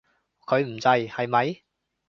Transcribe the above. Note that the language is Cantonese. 佢唔制，係咪？